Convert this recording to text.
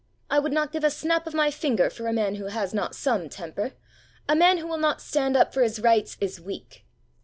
I would not give a snap of my finger for a man who had not some temper. A man who will not stand up for his rights is weak.